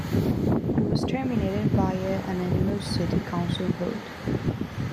He was terminated by a unanimous city council vote.